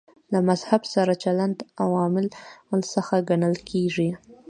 له مذهب سره چلند عواملو څخه ګڼل کېږي.